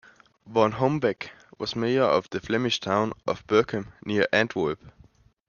Van Hombeeck was mayor of the Flemish town of Berchem, near Antwerp.